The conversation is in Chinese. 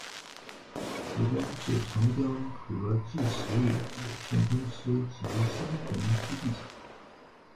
股东是长江和记实业有限公司及新鸿基地产。